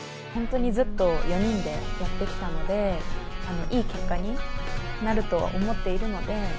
本当にずっと４人でやってきたのでいい結果になると思っているので。